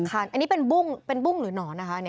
อันนี้เป็นบุ้งเป็นบุ้งหรือหนอนนะคะ